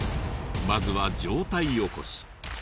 まずは上体起こし。